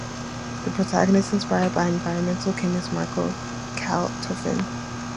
The protagonist is inspired by environmental chemist Marco Kaltofen.